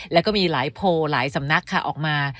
แล้วก็มีหลายโพลหลายสำนักค่ะออกมา